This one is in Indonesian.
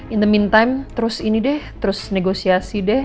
in the meantime terus ini deh terus negosiasi deh